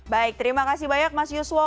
baik terima kasih banyak mas yuswo